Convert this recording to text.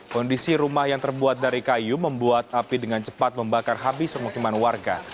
kondisi rumah yang terbuat dari kayu membuat api dengan cepat membakar habis pemukiman warga